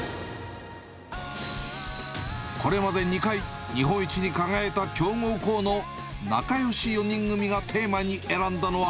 これまで２回、日本一に輝いた強豪校の仲よし４人組がテーマに選んだのは。